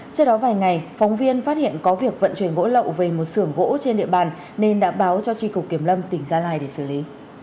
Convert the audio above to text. trước đó vài ngày phóng viên phát hiện có việc vận chuyển gỗ lậu về một sưởng gỗ trên địa bàn nên đã báo cho tri cục kiểm lâm tỉnh gia lai để xử lý